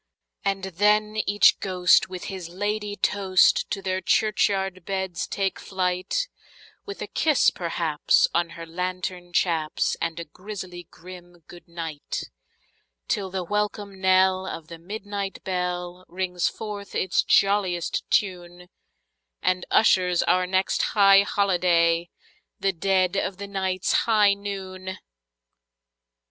And then each ghost with his ladye toast to their churchyard beds take flight, With a kiss, perhaps, on her lantern chaps, and a grisly grim "good night"; Till the welcome knell of the midnight bell rings forth its jolliest tune, And ushers our next high holiday—the dead of the night's high noon!